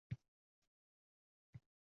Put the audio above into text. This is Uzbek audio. Qoʻrquvidan tugʻilaverar.